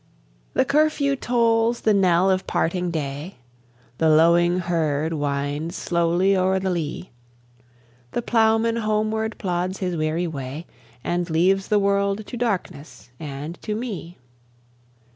The curfew tolls the knell of parting day, The lowing herd winds slowly o'er the lea, The plowman homeward plods his weary way, And leaves the world to darkness and to me.